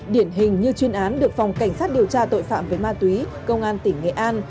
điển hình như chuyên án được phòng cảnh sát điều tra tội phạm về ma túy công an tỉnh nghệ an